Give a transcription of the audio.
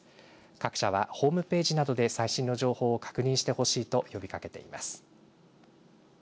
各社はホームページなどで最新の情報を確認してほしいと呼びかけています。